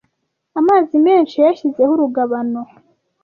Amazi menshi yayashyizeho urugabano,